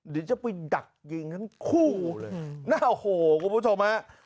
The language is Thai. เดี๋ยวจะไปดักยิงทั้งคู่เลยนะโอ้โหคุณผู้ชมฮะ